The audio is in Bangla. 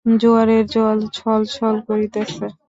জোয়ারের জল ছল ছল করিতেছে।